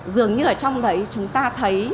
dường như ở trong đấy chúng ta thấy